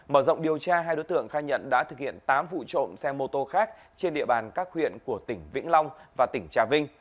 mở rộng điều tra hai đối tượng khai nhận đã thực hiện tám vụ trộm xe mô tô khác trên địa bàn các huyện của tỉnh vĩnh long và tỉnh trà vinh